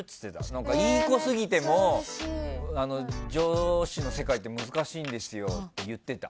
何か、いい子すぎても女子の世界って難しいんですよって言ってた。